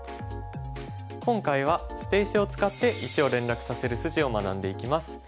今回は捨て石を使って石を連絡させる筋を学んでいきます。